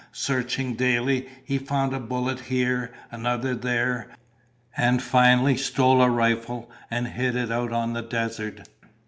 Searching daily, he found a bullet here, another there, and finally stole a rifle and hid it out on the desert.